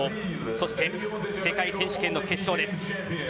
そして、世界選手権の決勝です。